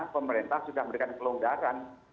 pemerintah sudah memberikan kelonggaran